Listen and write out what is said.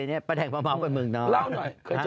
ใช่ป้าแดงป้าเมาท์ไปเมืองนอก